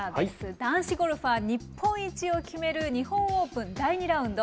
男子ゴルファー日本一を決める日本オープン第２ラウンド。